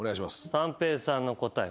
三平さんの答え